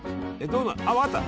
あっ分かった。